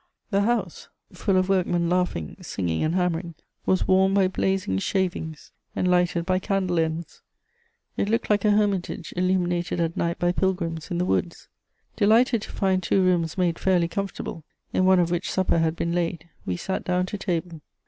The house, full of workmen laughing, singing, and hammering, was warmed by blazing shavings and lighted by candle ends; it looked like a hermitage illuminated at night by pilgrims, in the woods. Delighted to find two rooms made fairly comfortable, in one of which supper had been laid, we sat down to table.